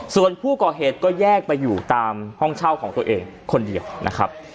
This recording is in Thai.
ส่วนผู้ก่อเหตุก็แยกไปอยู่ตามห้องเช่าของตัวเองคนเดียวนะครับ